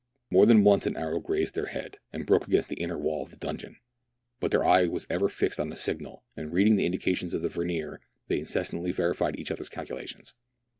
More than once an arrow grazed their head, and broke against the inner wall of the donjon. But their eye was ever fixed on the signal, and reading the indications of the vernier, they incessantly verified each other's calculations.